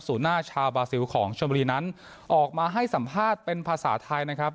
หน้าชาวบาซิลของชมบุรีนั้นออกมาให้สัมภาษณ์เป็นภาษาไทยนะครับ